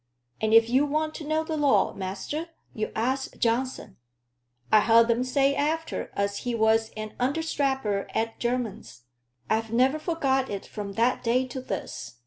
And if you want to know the law, master, you ask Johnson. I heard 'em say after, as he was an understrapper at Jermyn's. I've never forgot it from that day to this.